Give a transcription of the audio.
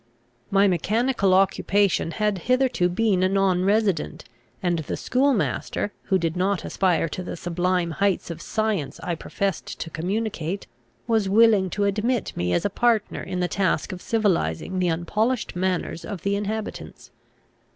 My mechanical occupation had hitherto been a non resident; and the schoolmaster, who did not aspire to the sublime heights of science I professed to communicate, was willing to admit me as a partner in the task of civilising the unpolished manners of the inhabitants.